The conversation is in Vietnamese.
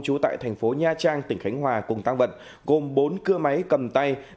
trú tại thành phố nha trang tỉnh khánh hòa cùng tăng vật gồm bốn cưa máy cầm tay